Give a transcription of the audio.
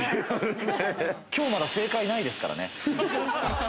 今日まだ正解ないですからね。